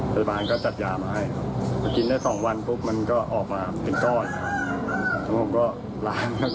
ไปขอยาโรงพยาบาล